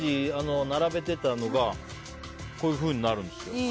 並べてたのがこういうふうになるんですよ。